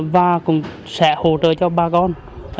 và cũng sẽ hỗ trợ cho bà con